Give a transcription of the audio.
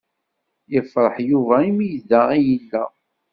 Yefṛeḥ Yuba imi da i yella.